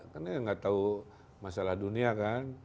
kan dia gak tau masalah dunia kan